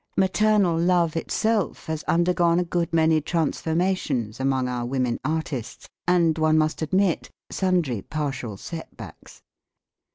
Maternal love itself has undergone a good many transformations among our women artists, and one must admit, sundry partial set backs.